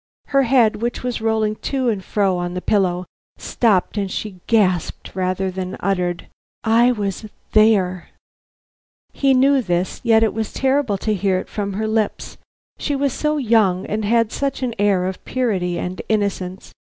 Her head, which was rolling to and fro on the pillow, stopped and she gasped, rather than uttered: "I was there." He knew this, yet it was terrible to hear it from her lips; she was so young and had such an air of purity and innocence.